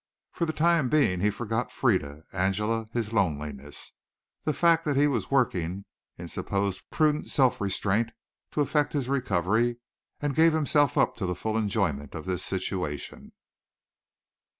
For the time being he forgot Frieda, Angela, his loneliness, the fact that he was working in supposed prudent self restraint to effect his recovery, and gave himself up to the full enjoyment of this situation.